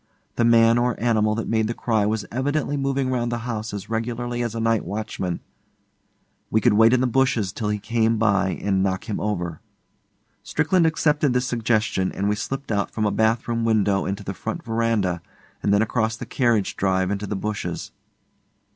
The man or animal that made the cry was evidently moving round the house as regularly as a night watchman. We could wait in the bushes till he came by and knock him over. Strickland accepted this suggestion, and we slipped out from a bath room window into the front verandah and then across the carriage drive into the bushes.